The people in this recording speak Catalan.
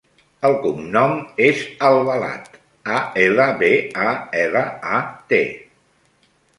El cognom és Albalat: a, ela, be, a, ela, a, te.